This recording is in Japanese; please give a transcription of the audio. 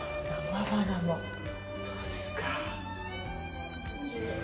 どうですか。